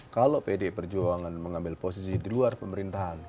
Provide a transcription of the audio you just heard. kalau pd perjuangan mengambil posisi di luar pemerintahan